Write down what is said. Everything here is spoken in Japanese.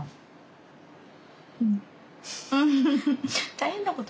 大変なこと？